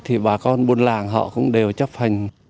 thì bà con buôn làng họ cũng đều chấp hành